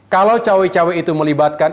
kalau cawe cawe itu melibatkan